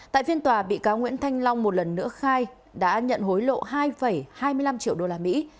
tại phiên tòa bị cáo nguyễn thanh long một lần nữa khai đã nhận hối lộ hai hai mươi năm triệu đô la mỹ